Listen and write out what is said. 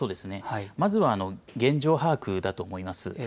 まずは現状把握だと思います。